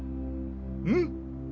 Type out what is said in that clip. うん！